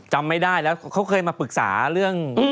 จำไม่ได้แล้วเขาเคยมาปรึกษาเรื่อง